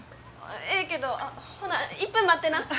ええけどほな１分待ってな。